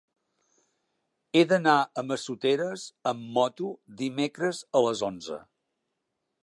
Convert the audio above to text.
He d'anar a Massoteres amb moto dimecres a les onze.